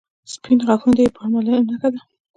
• سپین غاښونه د ښې پاملرنې نښه ده.